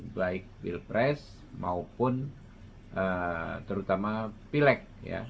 baik pilpres maupun terutama pileg